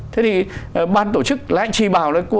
thế thì ban tổ chức lại chỉ bảo là